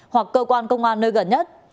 hoặc cơ quan công an nơi gần nhất